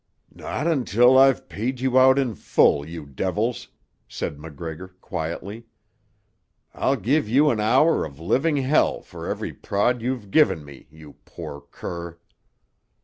"Not until I've paid you out in full, you devils," said MacGregor quietly. "I'll give you an hour of living hell for every prod you've given me, you poor cur."